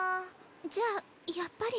じゃあやっぱり。